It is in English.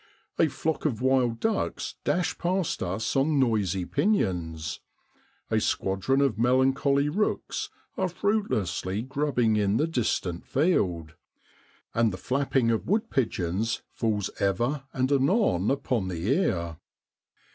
A flock of wild ducks dash past us on noisy pinions; a squadron of melancholy rooks are fruitlessly grubbing in the distant field ; and the flapping of wood pigeons falls ever and anon upon the ear.